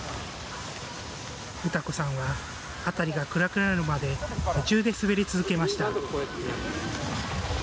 詩子さんは、辺りが暗くなるまで夢中で滑り続けました。